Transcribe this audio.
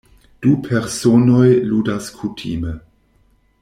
Du personoj ludas kutime.